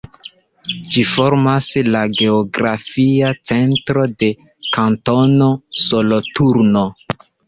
Ĝi formas la geografia centro de Kantono Soloturno.